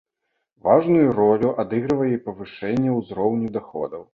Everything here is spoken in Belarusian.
Важную ролю адыгрывае і павышэнне ўзроўню даходаў.